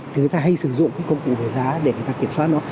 thì người ta hay sử dụng cái công cụ về giá để người ta kiểm soát nó